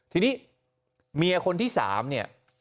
ทีนี้เมียคนที่๓